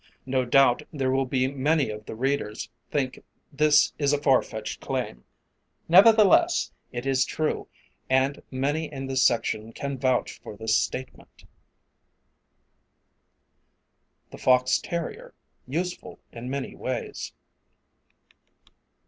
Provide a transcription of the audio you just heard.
No doubt there will be many of the readers think this is a far fetched claim, nevertheless it is true and many in this section can vouch for this statement. [Illustration: The Fox Terrier Useful in Many Ways.